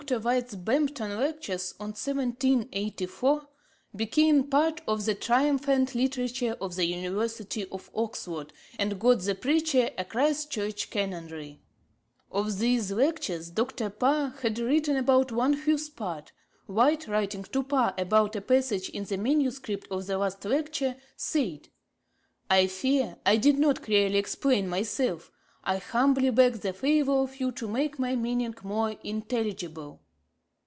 163. [G 5] Dr. White's Bampton Lectures of 1784 'became part of the triumphant literature of the University of Oxford,' and got the preacher a Christ Church Canonry. Of these Lectures Dr. Parr had written about one fifth part. White, writing to Parr about a passage in the manuscript of the last Lecture, said: 'I fear I did not clearly explain myself; I humbly beg the favour of you to make my meaning more intelligible.'